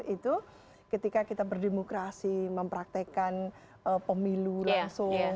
itu ketika kita berdemokrasi mempraktekan pemilu langsung